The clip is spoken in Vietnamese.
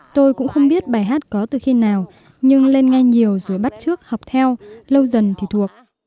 tôi cũng không biết bài hát có từ khi nào nhưng lên nghe nhiều rồi bắt trước học theo lâu dần thì thuộc